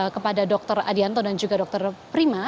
kepada dokter adianto dan juga dokter prima